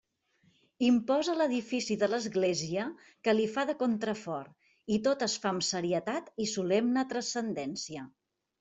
Imposa l'edifici de l'església que li fa de contrafort i tot es fa amb serietat i solemne transcendència.